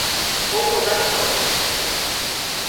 Vou votar a favor.